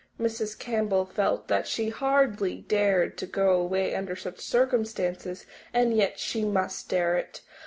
Mrs. Campbell felt that she hardly dared to go away under such circumstances. And yet she must dare it.